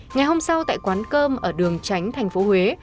ngày hôm sau tại quán cơm ở đường tránh thành phố huế